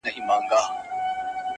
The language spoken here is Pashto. د کلال په کور کي روغه کوزه نسته.